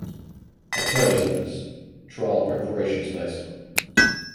Attorneys Office (trial preparation space).